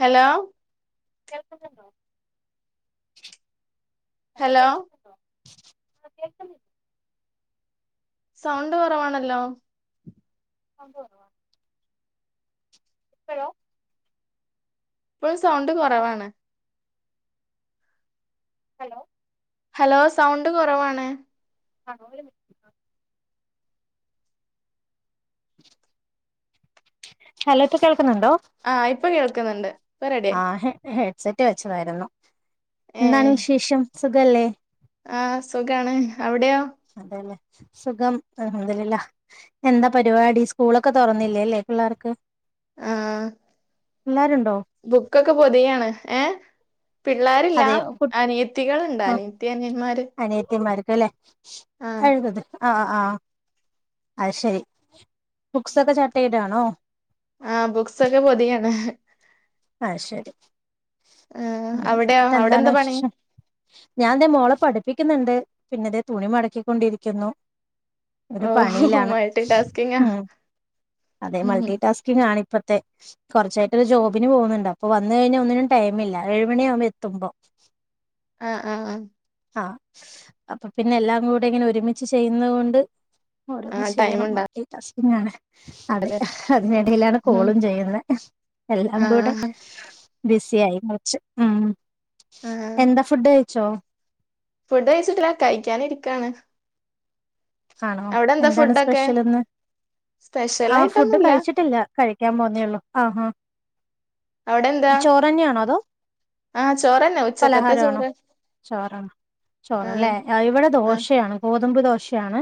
Hello കേൾക്കുന്നുണ്ടോ hello ആ കേൾക്കുന്നില്ലേ സൗണ്ട് കൊറവാണല്ലോ [unintelligible] ഹലോ ഇപ്പഴും സൗണ്ട് കൊറവാണ് ഹലോ ഹലോ സൗണ്ട് കൊറവാണ് ആഹ് ഒരു മിൻ ഹലോപ്പ കേൾക്കുന്നുണ്ടോ ആഹ് ഇപ്പൊ കേൾക്കുന്നുണ്ട് ഇപ്പൊ റെഡി ആഹ് ഹെ ഹെഡ്സെറ്റ് വെച്ചതായിരുന്നു എന്നാണ് വിശേഷം സുഖല്ലേ ആഹ് സുഖാണ് അവിടെയോ അതെന്നെ സുഖം അൽഹംദുലില്ലാഹ് എന്താ പരുപാടി സ്കൂളൊക്കെ തുറന്നില്ലേല്ലേ പിള്ളേർക്ക് ആ പിള്ളേരൊണ്ടോ ബുക്കൊക്കെ പൊതിയാണ് ഏഹ് പിള്ളേരില്ല അതെയോ കു അനിയത്തികളുണ്ട് അനിയത്തി അനിയന്മാര് അനിയത്തിയമാർക്ക്ലെ ആ കഴുകത് ആഹ് ആഹ് അയ്ശരി ബുക്സൊക്കെ ചട്ടയിടാണോ ആഹ് ബുക്സൊക്കെ പൊതിയാണ് ആഹ് ശരി ആ അവിടെയോ അവിടെ എന്താണ് എന്താ പണി വിശേഷം ഞാൻതെ മോളെ പഠിപ്പിക്കുന്നുണ്ട് പിന്നെതേ തുണി മടക്കിക്കൊണ്ടിരിക്കുന്നു ഒരു ഓ പണിയിലാണ് മൾട്ടി ടാസ്കിങ്ങാ ഉം അതെ മൾട്ടിടാസ്കിങ് ആണ് ഇപ്പത്തെ കൊറച്ചായിട്ടൊരു ജോ ബിന് പോന്ന്ണ്ട് അപ്പൊ വന്ന് കഴിഞ്ഞ ഒന്നിനും ടൈമില്ല ഏഴ് മണിയാം എത്തുമ്പൊ അ അ ആഹ് ആഹ് അപ്പ പിന്നെ എല്ലാം കൂടെ ഇങ്ങനോരുമിച്ച് ചെയ്യുന്നകൊണ്ട് ആ ഓരോന്ന് ടൈം ചെയ്യണം ഉണ്ടാവില്ല മൾട്ടിടാസ്കിങ്ങാണ് അതെ അതിനെടേലാണ് കോളും ചെയ്യുന്നെ എല്ലാം ആ കൂടെ ബിസിയായി കൊറച്ച് ഉം ആ എന്താ ഫുഡ് കഴിച്ചോ ഫുഡ് കഴിച്ചിട്ടില്ല കഴിക്കാനിരിക്കാണ് ആണോ അവിടെ എന്താ എന്താണ് ഫുഡൊക്കെ സ്പെഷ്യലിന്ന് സ്പെഷ്യൽ ആഹ് ഫുഡ് ആയിട്ടൊന്നുല്ല കഴിച്ചിട്ടില്ല കഴിക്കാൻ പോന്നേ ഒള്ളു ആഹ് ആഹ് അവ്ടെന്താ തന്നയാണോ അതോ ഉച്ചക്കത്തെ പലഹാരാണോ ചോറ് ചോറാ ആ ചോറാല്ലെ ഇവിടെ ആ ദോശയാണ് ഗോതമ്പ് ദോശയാണ്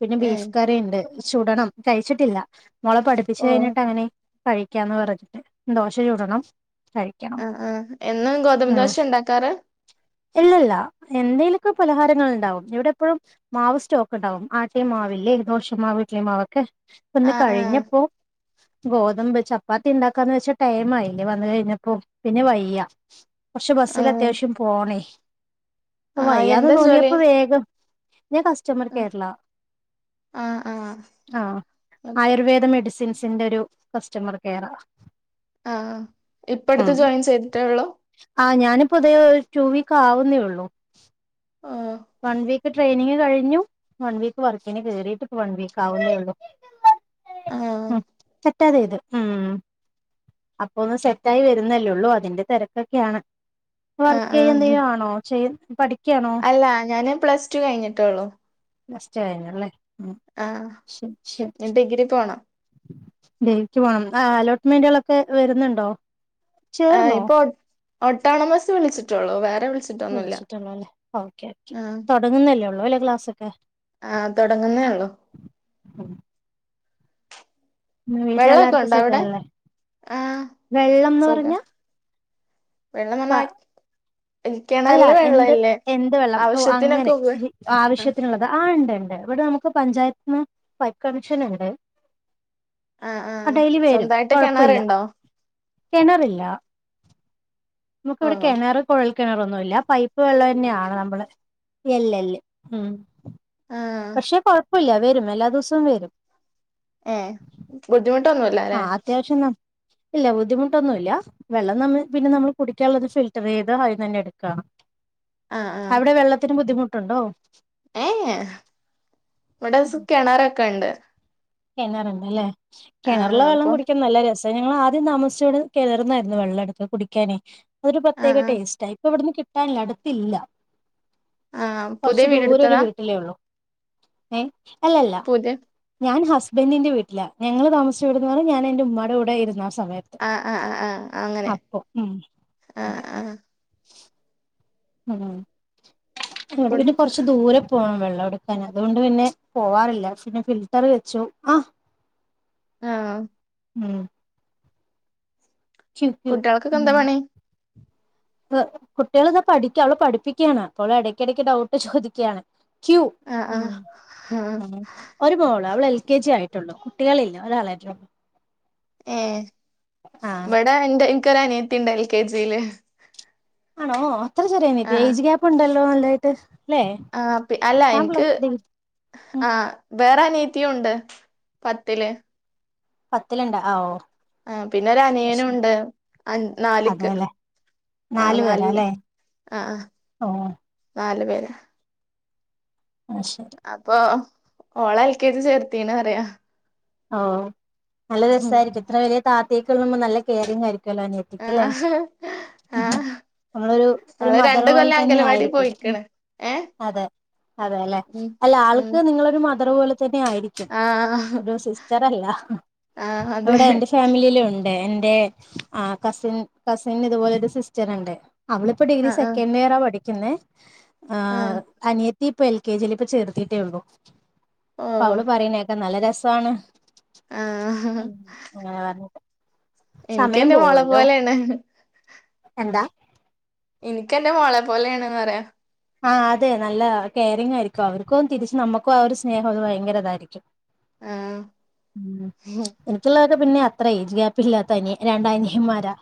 പിന്നെ ഏ ബീഫ് കറിണ്ട് ചുടണം കഴിച്ചിട്ടില്ല മോളെ പഠി പ്പിച്ച് ഓ കഴിഞ്ഞിട്ട് അങ്ങനെ കഴിക്കാന്ന് പറഞ്ഞിട്ട് ഉം ദോശ ചുടണം കഴിക്കണം ആ ആ എന്നും ഗോതമ്പ് ഉം ദോശ ഉണ്ടാക്കാറ് ഇല്ലല്ല എന്തേലൊക്കെ പലഹാരങ്ങൾ ഇണ്ടാവും ഇവിടെ എപ്പഴും മാവ് സ്‌റ്റോ ക്ക്ണ്ടാവും ആട്ടിയമാവില്ലേ ദോഷമാവ് ഇഡലിമാവൊക്കെ ഇപ്പന്ന് ആ ആ കഴിഞ്ഞപ്പോ ഗോതമ്പ് ചപ്പാത്തി ഇണ്ടാക്കാന്ന് വെച്ചാ ടൈം ആയില്ലേ വന്ന് കഴിഞ്ഞപ്പോ പിന്നെ വയ്യ കൊർച്ച് ആ ബസ്സില് അത്യാവശ്യം പോണേ ആ ഇപ്പവയ്യാന്ന് എന്താ ജോലി തോന്നിയപ്പോ വേഗം ഞ കസ് ആ കേരള ആ ആ ആഹ് ഓക്കെ ആയുർവേദ മെഡിസിൻസ്ൻ്റാെരു കസ്സ്റ്റമർ കെയറാ ആഹ് ഇപ്പഅട്ത്ത് ജോയിൻ ചെയ്തിട്ടേ ഒള്ളൂ ആഹ് ഞാനിപ്പോ ഇതേയോ റ്റൂ വീക്ക് ആവുന്നേ ഒള്ളു ഓ വൺവീ ക്ക് ട്രെയിനിങ് കഴിഞ്ഞു വൺ വീക്ക് വർക്കിന് കേറിട്ട് ഇപ്പ വൺ വീക്ക് ആവുന്നേയുള്ളൂ ആ ഉം തെറ്റാതെ എഴുത് ഉം അപ്പൊ ഒന്ന് സെറ്റായി വരുന്നല്ലെള്ളൂ അതിന്റെ തെരക്കൊക്കെയാണ് ആ ആ വർക്കെയ്യാ എന്തേലും ആണോ ചെയ് പഠിക്കയാണോ അല്ല ഞാന് പ്ലസ് ടു കഴിഞ്ഞിട്ടൊള്ളൂ പ്ലസ് ടൂ കഴിഞ്ഞല്ലെ ആഹ് ഇഞ്ഞി ഡിഗ്രി പോണം ഡിഗ്രിക്ക് പോണം ആഹ് അലോട്ട്മെൻറ്റുകളൊക്കെ വരുന്നുണ്ടോ ആഹ് ചേർന്നോ ഇപ്പൊ ഒട്ടോണമസ് വിളിച്ചിട്ടൊള്ളൂ വേറെ വിളിച് വിളിച്ചിട്ടെയുള്ളു അല്ലേ ഓക്കേ ഓക്കെ തൊടങ്ങുന്നല്ലേ ഒള്ളൂ അല്ലേ ക്ലാസൊക്കെ ആഹ് താകടങ്ങുന്നേയുള്ളു ഉം വെള്ളവെക്കെ വീട്ടിലെല്ലാർക്കും ഉണ്ടോ അവിടെ സുഖല്ലേ ആഹ് വെള്ളംന്ന് പറഞ്ഞ സുഖം വെള്ളം വന്നാ റ്റ് അല്ല കെണർല് എന്ത് വെള്ളവില്ലേ എന്ത് വെള്ളം ഓ ആവശ്യത്തിനൊക്കെ അങ്ങനെ ഉപ ആഹ് ആവശ്യത്തിനുള്ളത് ആഹ് ഇണ്ട് ഇണ്ട് ഇവടെ നമുക്ക് പഞ്ചായത്ത് ഉം പൈപ്പ് കണഷനും ഉണ്ട് ആഹ് ആ ആഹ് ഡെയ്ലി വരും സ്വന്തായിട്ട് കാെഴപ്പയില്ല കിണറുണ്ടോ കെണറില്ല നമുക്കിവിടെ ഓഹ് കെണറ് കുഴൽ കിണറൊന്നുല്ല പൈപ്പ് വെള്ളവെന്നെയാണ് നമ്മള് എല്ല എല്ല് ഉം ആഹ് പക്ഷെ കൊഴപ്പമില്ല വരും എല്ലാ ദൂസവും വരും ഏഹ് ബുദ്ധിമുട്ടൊന്നുല്ലലേ അത്യാവശ്യംന്ന ഇല്ല ബുദ്ധിമുട്ടൊന്നുല്ല വെള്ളം നമ്മ് പിന്നെ നമ്മള് കുടിക്കാള്ളത് ഫിൽട്ടറെയ്ത് അയിന്ന് തന്നെ എട്ക്കാണ് ആഹ് ആഹ് അവ്ടെ വെള്ളത്തിന് ബുദ്ധിമുട്ടുണ്ടോ ഏഹ് യാ ഇവിടെ സ് കെണറൊക്കെണ്ട് കെണറ്ണ്ടല്ലേ ആഹ് കെണർലെ ആഹ് വെള്ളം അപ്പൊ കുടിക്കാൻ നല്ല രസ ത് ഞങ്ങള് ആദ്യം താമസിച്ചോട് കെണറ്ന്നായിരുന്നു വെള്ളം എട്ത്ത് കുടിക്കാനേ അതൊരു ആഹ് പ്രത്യേക ആഹ് ടേസ്റ്റായി ഇപ്പൊ ഇവിട്ന്ന് കിട്ടാനില്ല എടുത്തില്ല ആഹ് പുതിയ കൊറച്ച് ദൂരൊരു വീടെടുത്തതാ വീട്ടിലേ ഒള്ളൂ ഏ അല്ലല്ല പുതിയ ഞാൻ ഹസ് ബെന്റിന്റെ വീട്ടിലാ ഞങ്ങള് താമസിച്ചാേയിവിടുന്ന് ഞാൻ എന്റെ ഉമ്മാടെ കൂടെ ഇരുന്നാ സമയത് ആഹ് ആഹ് ആഹ് ആ അങ്ങനെ ആഹ് അതെ ആഹ് ഉം ഇവിടെ കു പിന്നെ കൊർച്ച് ദൂരം പോണം വെള്ളം എടുക്കാന് അതുകൊണ്ട് പിന്നെ പോവാറില്ല പിന്നെ ഫിൽട്ടറ് വെച്ചു. ആഹ് ആഹ് ഉം കുട്ടികൾക്കൊക്കെ എന്താ പണി [unintelligible] [unintelligible] കുട്ടികളൊക്കെ പഠിക്ക. അവള് പഠിപ്പിക്കയാണ് അപ്പോവള് എടക്ക് ഇടക്ക് ഡൗട്ട് ചോദിക്കാണ്. ക്യൂ ആഹ് ഉം ആഹ് ആഹ് ഉം ഒരു മോള് അവള് എൽ കെ ജി ആയിട്ടുള്ളു. കുട്ടികളില്ല ഒരാളായിട്ടൊള്ളു. ഏഹ് ആഹ് ഇവിടെ എൻ്റെ എനിക്കൊരു അനിയത്തിയുണ്ട് എൽ കെ ജില്. ആണോ അത്ര ചെറിയ അനിയത്തി ആഹ് ഏജ് ഗ്യാപ്പ് ഉണ്ടല്ലോ നല്ലതായിട്ട്. അല്ലെ ആഹ് പി അല്ല താൻ പ്ല എൻക്ക് ഡിഗ്രി ഉം ആഹ് വേറെ അനിയത്തിയും ഉണ്ട് പത്തില്. പത്തില്ണ്ട അ ഓഹ് ആഹ് പിന്നെ ഒരു അനിയനുണ്ട് നാലിക്ക്. അതെല്ലെ ആഹ് നാലു നാലില് പേരാല്ലേ ആഹ് ആഹ് ഓ നാല് പേര ആഹ് ശരി അപ്പൊ ഓളെ എൽ കെ ജി ചേർത്തീന് ന്ന് അറിയ. ഓഹ് നല്ല രസായിരിക്കും. ഇത്ര വലിയ താത്തേക്കെ ഉള്ളമ്പോ നല്ല കെയറിംങ്ങ് ആയിരിക്കുവല്ലോ അനിയ ആ ല്ലേ ആ ഇപ്പളൊരു ഒരു ഓള് മദറ് രണ്ട് പോലെ കൊല്ലം തന്നെ അംഗലവാടി ആയിരിക്കും. പോയിക്ക്ണ് ഏ അതെ അതേല്ലെ, ഉം അല്ല ആൾക്ക് നിങ്ങളൊരു മദറ് പോലെ തന്നെ ആയിരിക്കും. ആഹ് സിസ്റ്ററല്ല. എവിടെ എന്റെ ഇഷ് ഫാമിലിയിലും ഉണ്ടേ എന്റെ കസിൻ കസിൻ ഇതുപോലെ ഒരു സിസ്റ്ററുണ്ട്. അവള് ഇപ്പൊ ഡിഗ്രി ആ ആ സെക്കൻഡ് ഇയറ പഠിക്കുന്നേ. ആ അനിയ ത്തി ഇപ്പ എൽ കെ ജില് ഇപ്പ ചേർത്തിട്ടേ ഒള്ളു. ഓ അപ്പൊ അവള് പറയുന്നേക്കാം നല്ല രസാണ് ആ ആഹ് അറിഞ്ഞൂടാ എനിക്ക് എന്റെ മോളെ പോലെയാണ്. എന്താ? എനിക്ക് എന്റെ മോളെ പോലെയാണെന്ന് പറയാ. ആഹ് അതെ നല്ലതാ കെയറിങ് ആയിരിക്കും അവർക്കും തിരിച്ച് നമ്മുക്കും ആ ഒരു സ്നേഹം അത് ഭയങ്കര ഇതായിരിക്കും. ആ [unintelligible] ചുള്ളേര്ടെ പിന്നെ അത്ര ഏജ് ഗ്യാപ്പില്ലാത്ത അനി രണ്ടനിയന്മാരാ.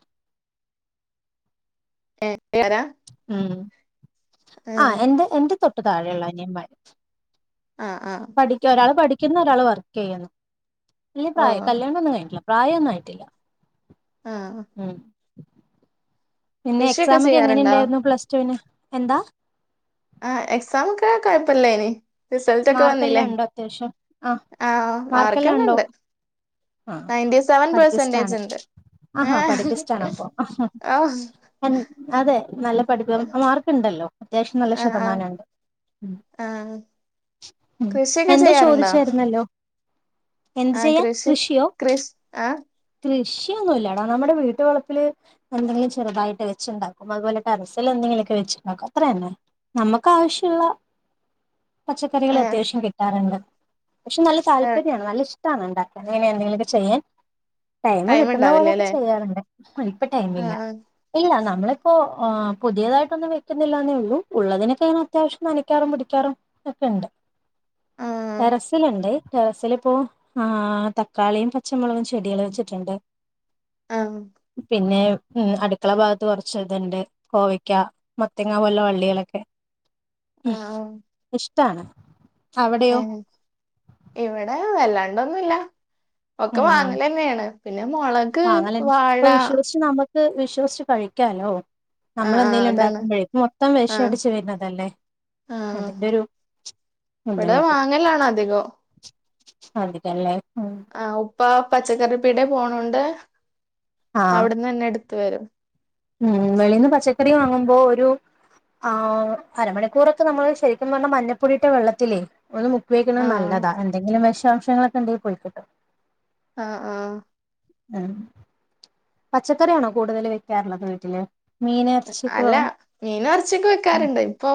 എ ഏരാ? ഉം ആഹ് എന്റെ എന്റെ തൊട്ട് താഴെയൊള്ള അനിയൻമാര്. ആഹ് ആഹ് പഠിക്ക ഒരാള് പഠിക്കുന്നു ഒരാള് വർക്ക് ചെയ്യുന്നു. [unintelligible] ഓ പ്രായം കല്യാണം ഒന്നും കഴിഞ്ഞിട്ടില്ല. പ്രായൊന്നായിട്ടില്ല. ആഹ് ഉം പിന്നെ കൃഷിയൊക്കെ എക്സാമൊക്കെ ചെയ്യാറുണ്ടോ? എങ്ങനെയുണ്ടായിരുന്നു പ്ലസ് ടുന്? എന്താ? ആഹ് എക്സാമൊക്കെ കൊഴപ്പല്ലേയ്നി. റിസൾറ്റൊക്കെ വന്നില്ലേ. മാർക്കെല്ലാം ഉണ്ടോ അത്യാവശ്യം ആഹ് ആഹ് മാർക്കെല്ലാം ഉണ്ടോ മാർക്കൊക്കെണ്ട്. ആഹ് നയൻടീസെവൻ പഠിപ്പിസ്റ്റാണ് പെർസെന്റേജ്ണ്ട്. ആഹാ ഏഹ് പഠിപ്പിസ്റ്റാണ് അപ്പൊ ഓഹ് അതെ നല്ല പഠിപ്പ മാർക്ക്ണ്ടല്ലോ. അത്യാവശ്യം നല്ല ആഹ് ആഹ് ശതമാനണ്ട്. ആഹ് ഉം കൃഷിയൊക്കെ എന്തോ ചെയ്യാറുണ്ടോ? ചോദിച്ചായിരുന്നല്ലോ. എന്ത് ആഹ് ചെയ്യാൻ കൃഷി കൃഷിയോ? കൃഷ് ആഹ് കൃഷിയൊന്നുമല്ലടാ നമ്മുടെ വീട്ട വളപ്പില് എന്തെങ്കിലും ചെറുതായിട്ട് വെച്ചുണ്ടാക്കും അതുപോലെ ടറസൽ എന്തെങ്കിലും ഒക്കെ വെച്ചുണ്ടാക്കും അത്ര തന്നെ നമുക്ക് ആവശ്യള്ള പച്ചക്കറികൾ ഏഹ് അത്യാവശ്യം കിട്ടാറുണ്ട് പക്ഷെ നല്ല ഏഹ് താല്പര്യമാണ് നല്ല ഇഷ് ട്ടാണ് ഉണ്ടാക്കാൻ ഇങ്ങനെന്തെങ്കിലുമക്കെ ചെയ്യാൻ ടൈം കിട്ടുന്ന പോലൊക്കെ ചെയ്യാറുണ്ട് ഇപ്പ ടൈമില്ല ആഹ് ഇല്ല നമ്മളിപ്പോ പുതിയതായിട്ടൊന്നും വെക്കുന്നില്ലന്നേ ഉള്ളൂ ഉള്ളതിനൊക്കെ അത്യാവശ്യം നനക്കാറും പിടിക്കാറും ഒക്കെ ഉണ്ട് ആഹ് ടെറസിലുണ്ട് ടെറസിലിപ്പോ ആഹ് തക്കാളിയും പച്ചമുളകും ചെടികൾ വെച്ചിട്ടുണ്ട് ആഹ് പിന്നെ ഉം അടുക്കള ഭാഗത്ത് കുറച്ച് ഇതൊണ്ട് കോവക്ക മത്തങ്ങ പോലുള്ള വള്ളികളൊക്കെ ആഹ് ഉം ആഹ് ആഹ് ഇഷ്ടാണ് അവിടെയോ ഇവിടെ വല്ലാണ്ടൊന്നുല്ല ഒക്കെ വാങ്ങല് തന്നെയാണ് പിന്നെ മൊള ആഹ് വാങ്ങാലന്നേ ഇപ്പൊ വിശ്വസിച്ച് നമ്മുക്ക് വിശ്വസിച്ച് കഴിക്കാലോ ആഹ് ആഹ് നമ്മളെന്തേലും അതാണ് ഉണ്ടാക്കുമ്പോഴേ ഇപ്പ മൊത്തം ആഹ് വിശടിച്ച് വരുന്നതലേ ആഹ് അതിന്റെ ഒരു ഇവിടെ വാങ്ങലാണ് അധികം അതികല്ലേ ആഹ് ഉപ്പ പച്ചക്കറിപ്പീടെ പോണോണ്ട് ആഹ് അവിടുന്ന് തന്നെ എടുത്ത് വരും ഉം വെളിൽന്ന് പച്ചക്കറി വാങ്ങുമ്പോ ഒരു ആഹ് അരമണിക്കൂർക്കെ നമ്മള് ശരിക്കും പറഞ്ഞാൽ മഞ്ഞപ്പൊടീട്ട വെള്ളത്തിലേ ഒ ഉപയോഗിക്കുന്നത് ആഹ് നല്ലതാ എന്തെങ്കിലും വിശാംശങ്ങളൊക്കെ ഉണ്ടെിൽ പോയി കിട്ടും ആഹ് ആഹ് ഉം പച്ചക്കറിയാണോകൂടുതല് വെക്കാറുള്ളത് വീട്ടില് മീന് ഇറച്ചിയൊക്കെ അല്ല വാങ്ങും മീനും ഇറച്ചൊക്കെ വെക്കാറുണ്ട് ഇപ്പൊ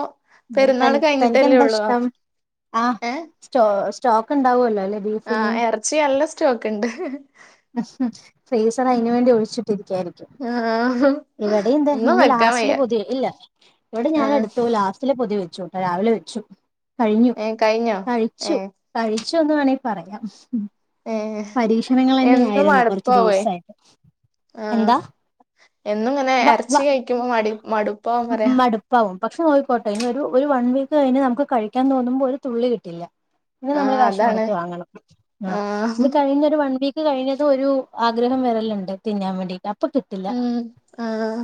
ഉം പെരുന്നാൾ തനിക്ക് കഴിഞ്ഞിട്ടല്ലേ തനിക്കെന്താ ഉള്ളൂ അ ഇഷ്ടം ആഹ് എ സ്റ്റോ സ്റ്റോക്ക് ഉണ്ടാവുമല്ലോ അല്ലേ ബീഫിനെ ആഹ് ഇറച്ചി നല്ല സ്റ്റോക്ക് ഉണ്ട് ഫ്രീസർ അതിനു വേണ്ടി ഒ ക്ഷിട്ടിരിക്കുകായിരിക്കും ആഹ് ഇവിടെ എന്താ ഒന്നും ഇന്ന് വെക്കാൻ ലാസ്റ്റില് വയ്യ പുതിയ ഇല്ല ഇവിടെ ഞാൻ ആഹ് എടു ഇ ലാസ്റ്റിലെ പൊതി വെച്ചുട്ടോ രാവിലെ വെച്ചു കഴിഞ്ഞു ഏഹ് കഴിഞ്ഞോ കഴിച്ചു ഏഹ് കഴിച്ചോന്ന് വേണമെങ്കിൽ പറയാം ഏഹ് പരീക്ഷണങ്ങൾ തന്നെ എന്നും ആയിരുന്നു കുറച്ച് മടപ്പാവേ ദിവസായിട്ട് ആഹ് എന്താ എന്നും ഇങ്ങനെ വ വ ഇറച്ചി കഴിക്കുമ്പോ മ മടുപ്പന്ന് പറയാ പാവും പക്ഷെ നോയിക്കോട്ടെ അ ഒരു വൺ വീക്ക് കതിന് നമുക്ക് കഴിക്കാൻ തോന്നുമ്പോൾ ഒരു തുള്ളി കിട്ടില്ല പിന്നെ നമ്മള് ആഹ് കാശ് അതാണ് മുടക്കി വാങ്ങണം ആഹ് പിന്നെ ഒരു വൺ വീക്ക് കഴിഞ്ഞത് ഒരു ആഗ്രഹം വരല്ലുണ്ട് തിന്നാൻ വേണ്ടീയിട്ട ഉം ആഹ്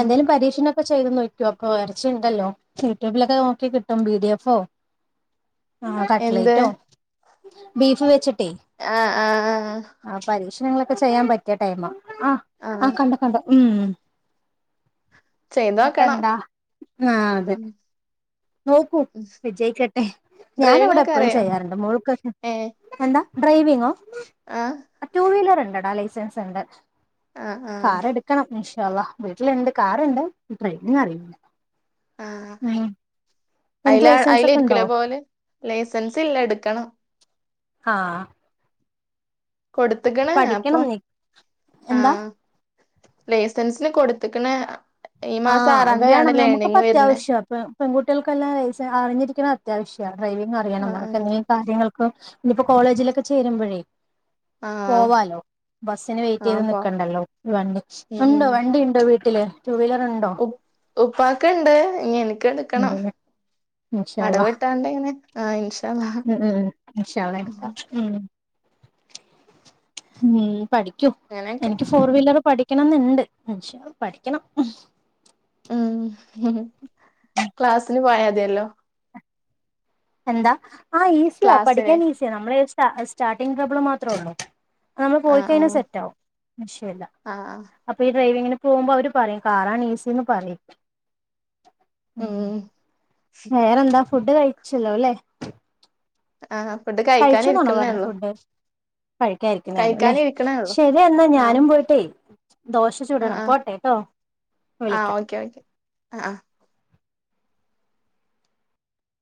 എന്തേലും പരീക്ഷണൊക്കെ ചെയ്ത് നോക്കോക്ക ഇറച്ചി ഉണ്ടല്ലോ യൂട്യൂബിലൊക്കെ നോക്കി കിട്ടും പിഡി എഫോ ആഹ് എന്ത് കട്ട്ലേറ്റോ ബീഫ് വെച്ചിട്ടെ ആഹ് ആഹ് ആഹ് ആഹ് പരീക്ഷണങ്ങളൊക്കെ ചെയ്യാൻ പറ്റിയ ടൈം ആഹ് ആഹ് കണ്ടു കണ്ടു ഉം എന്നിട്ട ചെയ്തോക്കണം എന്താ ആഹ് അതെ ഉം നോക്കൂ ഉം വിജയിക്കട്ടെ ഞാന് ഡ്രൈവിംഗ് വിടെ ഒക്കെ എപ്പോഴും അറിയോ ചെയ്യാറുണ്ട് മോൾക്കൊക്കെ ഏഹ് എന്താ ഡ്രൈവിങ്ങോ ആഹ് ടു വീലർ ഇണ്ട്ടാ ലൈസൻസ് ഉണ്ട് ആഹ് ആഹ് കാർ എടുക്കണം ഇൻഷാ അല്ലാഹ് വീട്ടിലിണ്ട് കാറുണ്ട് ഡ്രൈവിംഗ് അറിയില്ല ആഹ് ഉം നിനക്ക് അയിലാ ലൈസൻസ് ഒക്കെ അയിലേര്ക്കും ഉണ്ടോ ലെ പോകലെ ലൈസൻസ് ഇല്ല എടുക്കണം ആഹ് കൊടുത്ത്ക്ക്ണ് അപ്പൊ പഠിക്കണം നീ എന്താ ആഹ് ലൈസൻസിന് കൊടുത്ത്ക്ക്ണ് ഈ മാസം ആഹ് ആറാം തീയതിയാണ് വേണം നമുക്കിപ്പ ലേണിംഗ് വരുന്നേ അത്യാവശ്യ ഇപ്പ പെൺകുട്ടികൾക്കെല്ലാ ലൈസ് അറിഞ്ഞിരിക്ക്ണെ അത്യാവശ്യ ഡ്രൈവിംഗ് അറിയണം ആഹ് നമുക്ക് ആഹ് എന്തെങ്കി കാര്യങ്ങൾക്ക് ഇനിയിപ്പോ കോളേജിലൊക്കെ ചേരുമ്പോഴേ ആഹ് പോവാലോ ബസ്സിന് വെയിറ്റ് ആഹ് ചെയ്ത് അപ്പൊ നിക്കണ്ടല്ലോ വണ്ടി ഉം ഉണ്ടോ ഉം വണ്ടിണ്ടോ വീട്ടില് ടു വീലർ ഉണ്ടോ ഉ ഉപ്പാക്ക് ഇണ്ട് ഇനി എനിക്ക് എടുക്കണം ഉണ്ടല്ലേ ഇൻഷാ അള്ളാ അടവിട്ടാണ്ട് ഇങ്ങനെ ആഹ് ഇൻഷാ അല്ലാഹ് ഉം ഉം ഇൻഷാ അള്ളാ എടുക്കാം ഉം ഉം പഠിക്കും അങ്ങനെയൊക്കെ എനിക്ക് ഫോർ വീലർ പഠിക്കണന്നുണ്ട് പഠിക്കണം ആഹ് ക്ലാസിന് പോയാ മതിയല്ലോ എന്താ ആഹ് ഈസിയാ ക്ലാസ്സിന് പഠിക്കാൻ ഈസിയാ നമ്മള് സ്റ്റാ സ്റ്റാർട്ടിംഗ്ട്രബിൾ മാത്രേ ഉള്ളൂ ആഹ് നമ്മള് പോയിക്കഴിഞ്ഞാൽ സെറ്റാ ആകും വിഷയല്ല ആഹ് അപ്പൊ ഈ ഡ്രൈവിങ്ങിന് പോകുമ്പോ അവര് പറയും കാറാണ് ഈസി ന്ന് പറയും ഉം വേറെന്താ ഫുഡ് കഴിച്ചല്ലോ ല്ലേ ആഹ് ഫുഡ് കഴിക്കാനിരിക്കുന്നേ ഒള്ളൂ കഴിക്കാൻ ഇരിക്കുന്നെ ഒള്ളൂ ലെ ഉള്ളൂ ശരി എന്നാ ആഹ് ഞാനും പോയിട്ടേ ദോശ ചുടണം പോട്ടെട്ടോ ഇപ്പൊ വിളിക്കാ ക്യാ വെഞ്ച് ആഹ് ആഹ്